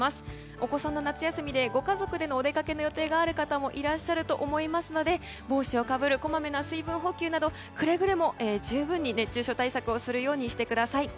お子さんの夏休みでご家族でのお出かけの予定がある方もいらっしゃると思いますので帽子をかぶるこまめな水分補給などくれぐれも十分に熱中症対策をするようにしてください。